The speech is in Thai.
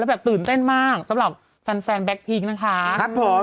แบบตื่นเต้นมากสำหรับแฟนแฟนแก๊กพิ้งนะคะครับผม